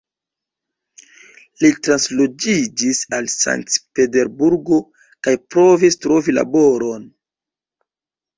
Li transloĝiĝis al Sankt-Peterburgo kaj provis trovi laboron.